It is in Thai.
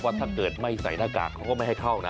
ถ้าเกิดไม่ใส่หน้ากากเขาก็ไม่ให้เข้านะ